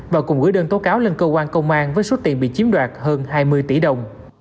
và cùng gửi đơn tố cáo lên cơ quan công an với số tiền bị chiếm đoạt hơn hai mươi tỷ đồng